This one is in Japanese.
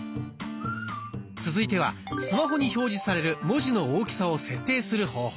続いてはスマホに表示される文字の大きさを設定する方法。